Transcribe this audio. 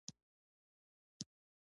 د چاه اب د سرو زرو کان په تخار کې دی